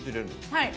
はい。